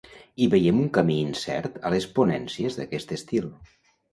I veiem un camí incert a les ponències d'aquest estil.